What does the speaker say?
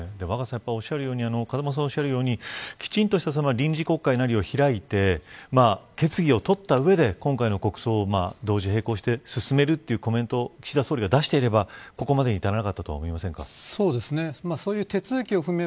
やっぱりおっしゃるように風間さんがおっしゃるようにきちんとした臨時国会なりを開いて決議を取った上で今回の国葬を同時並行して進めるというコメントを岸田総理が出していればここまでに至らなかったとそうですね。